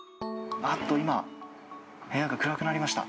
今、部屋が暗くなりました。